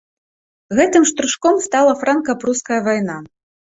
Гэтым штуршком стала франка-пруская вайна.